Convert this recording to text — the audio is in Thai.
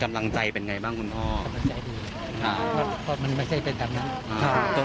กำลังใจเป็นไงบ้างคุณพ่อก็มันไม่ใช่เป็นตามนั้น